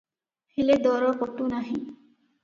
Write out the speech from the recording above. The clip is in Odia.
ହେଲେ ଦର ପଟୁ ନାହିଁ ।